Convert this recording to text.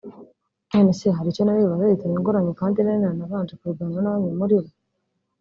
None se hari icyo nari bubaze gitunguranye kandi nari nanabanje kubiganiraho na bamwe muribo